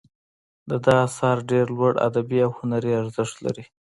د ده آثار ډیر لوړ ادبي او هنري ارزښت لري.